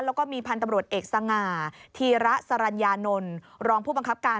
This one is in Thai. แล้วก็มีพันธุ์ตำรวจเอกสง่าธีระสรัญญานนท์รองผู้บังคับการ